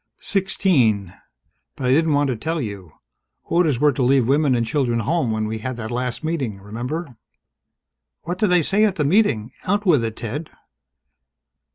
"Sixteen. But I didn't want to tell you. Orders were to leave women and children home when we had that last Meeting, remember." "What did they say at the Meeting? Out with it, Ted!"